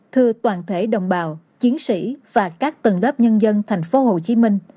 thưa toàn thể đồng bào chiến sĩ và các tầng lớp nhân dân tp hcm